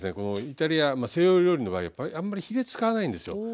イタリア西洋料理の場合はあんまりヒレ使わないんですよ。